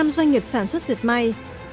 bảy mươi doanh nghiệp sản xuất diệt may